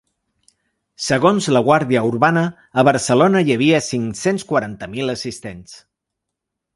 Segons la guàrdia urbana, a Barcelona hi havia cinc-cents quaranta mil assistents.